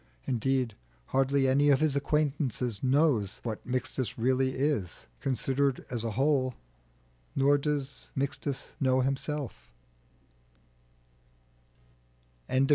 Indeed, hardly any of his acquaintances know what Mixtus really is, considered as a whole nor does Mixtus himself know it.